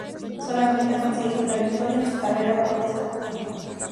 Solamente ha conseguido una victoria en su carrera como profesional.